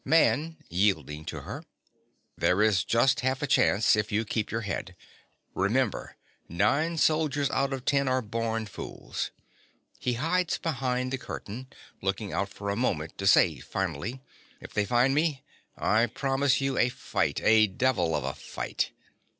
_) MAN. (yielding to her). There is just half a chance, if you keep your head. Remember: nine soldiers out of ten are born fools. (He hides behind the curtain, looking out for a moment to say, finally) If they find me, I promise you a fight—a devil of a fight!